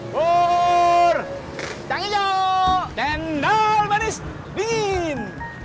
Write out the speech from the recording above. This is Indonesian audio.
burr jangin jok tendal manis dingin